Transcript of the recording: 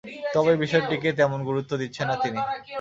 তবে বিষয়টিকে তেমন গুরুত্বও দিচ্ছেন না তিনি।